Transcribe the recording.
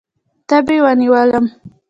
تبې ونیولم.